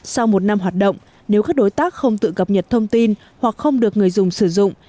sau một năm hoạt động nếu các đối tác không tự cập nhật thông tin hoặc không được người dùng sử dụng